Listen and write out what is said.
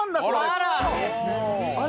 あら！